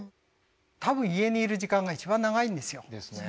多分家にいる時間が一番長いんですよ。ですね。